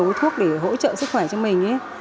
nhiều thuốc để hỗ trợ sức khỏe cho mình